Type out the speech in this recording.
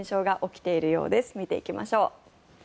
見ていきましょう。